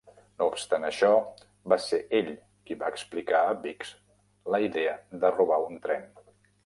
No obstant això, va ser ell qui va explicar a Biggs la idea de robar un tren.